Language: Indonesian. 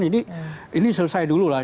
jadi ini selesai dulu lah